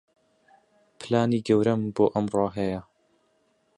پلانی گەورەم بۆ ئەمڕۆ هەیە.